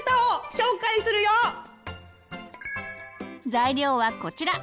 材料はこちら。